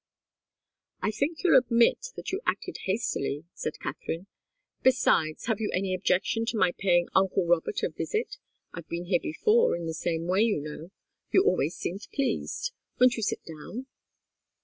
"I think you'll admit that you acted hastily," said Katharine. "Besides, have you any objection to my paying uncle Robert a visit? I've been here before in the same way, you know. You always seemed pleased. Won't you sit down?"